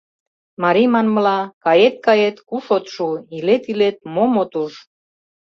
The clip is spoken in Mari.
— Марий манмыла: кает-кает — куш от шу, илет-илет — мом от уж.